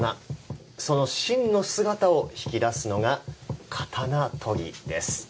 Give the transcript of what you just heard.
その真の姿を引き出すのが、刀研ぎです。